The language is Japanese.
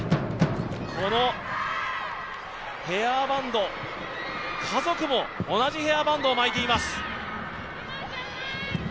このヘアバンド、家族も同じヘアバンドを巻いています。